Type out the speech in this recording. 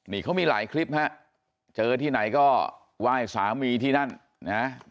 นี่เขามีหลายคลิปฮะเจอที่ไหนก็ไหว้สามีที่นั่นนะ